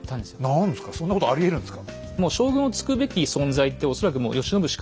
何ですかそんなことありえるんですか？